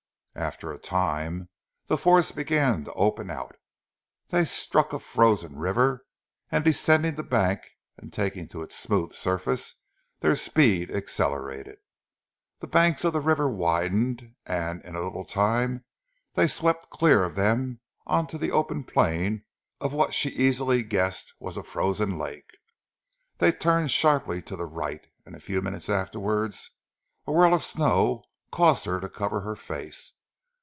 After a time the forest began to open out. They struck a frozen river and descending the bank and taking to its smooth surface, their speed accelerated. The banks of the river widened, and in a little time they swept clear of them on to the open plain of what she easily guessed was a frozen lake. They turned sharply to the right, and a few minutes afterwards a whirl of snow caused her to cover her face.